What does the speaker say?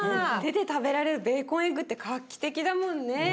手で食べられるベーコンエッグって画期的だもんね。